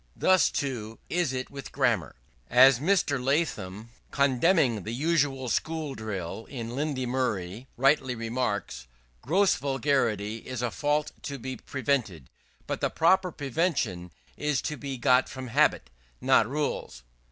Thus, too, is it with grammar. As Dr. Latham, condemning the usual school drill in Lindley Murray, rightly remarks: "Gross vulgarity is a fault to be prevented; but the proper prevention is to be got from habit not rules."